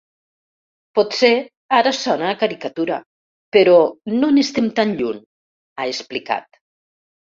Potser ara sona a caricatura, però no n’estem tan lluny, ha explicat.